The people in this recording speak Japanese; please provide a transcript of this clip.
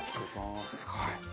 すごい！